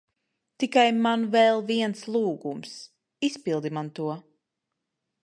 Tikai man vēl viens lūgums. Izpildi man to.